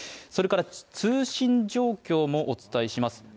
それから通信状況もお伝えします